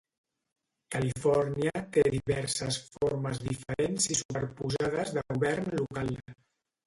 Califòrnia té diverses formes diferents i superposades de govern local.